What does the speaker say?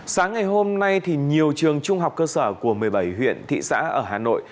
sáng ngày hôm nay thì nhiều trường trung học cơ sở của một mươi bảy huyện thị xã ở hà nội